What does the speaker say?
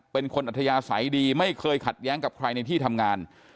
อัธยาศัยดีไม่เคยขัดแย้งกับใครในที่ทำงาน